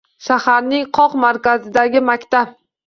Shaharning qoq markazidagi maktab.